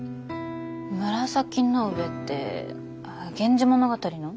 紫の上って「源氏物語」の？